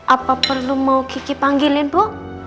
apa perlu mau kiki panggil bu